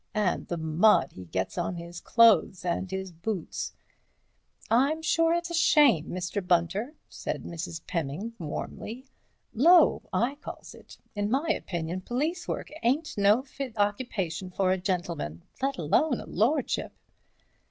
And the mud he gets on his clothes and his boots!" "I'm sure it's a shame, Mr. Bunter," said Mrs. Pemming, warmly. "Low, I calls it. In my opinion, police work ain't no fit occupation for a gentleman, let alone a lordship."